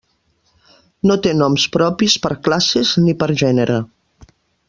No té noms propis per classes ni per gènere.